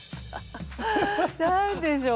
何でしょう。